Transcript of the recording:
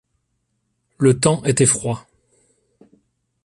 Le temps était froid.